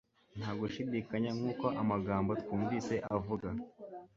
Ntagushidikanya nkuko amagambo twumvise avuga